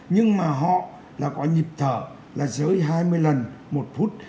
nhưng mà họ là có nhịp thở là dưới hai mươi lần một phút